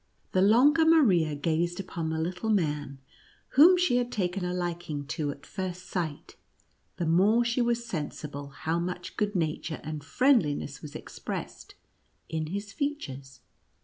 The longer Maria gazed upon the little man whom she had taken a liking to at first sight, the more she was sensible how much good nature and friendliness was expressed in his features.